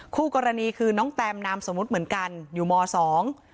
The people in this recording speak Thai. คู่กรณีคือน้องแตมนามสมมุติเหมือนกันอยู่มสอง